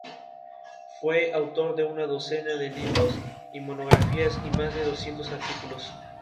Fue autor de una docena de libros y monografías y más de doscientos artículos.